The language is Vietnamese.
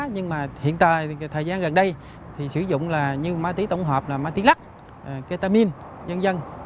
nhưng mà hiện tại thời gian gần đây thì sử dụng là như ma túy tổng hợp là ma túy lắc ketamin nhân dân